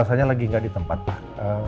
elsanya lagi gak di tempat pak